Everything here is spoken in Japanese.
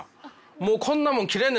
もうこんなもん切れんね